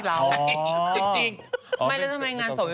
อ๋อจริง